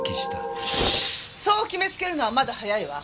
そう決めつけるのはまだ早いわ！